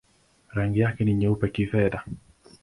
Rangi yake ni nyeupe-kifedha.